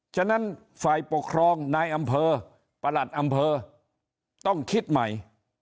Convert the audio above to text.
ฉะนั้นฝ่ายปกครองนายอำเภอประหลัดอำเภอต้องคิดใหม่